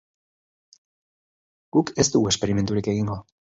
Guk ez dugu esperimenturik egingo.